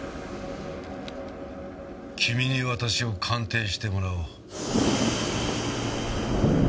君に私を鑑定してもらおう。